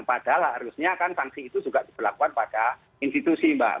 padahal harusnya kan sanksi itu juga diberlakukan pada institusi mbak